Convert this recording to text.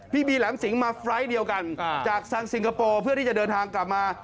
พี่บีแหลมสิงมาไฟล์ทเดียวกันจากทางซิงคโปร์เพื่อที่จะเดินทางกลับมา